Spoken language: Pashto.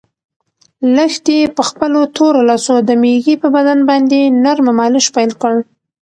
لښتې په خپلو تورو لاسو د مېږې په بدن باندې نرمه مالش پیل کړ.